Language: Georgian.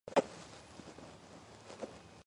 მონაწილეობდა ოსმალური დაპყრობით კამპანიებში.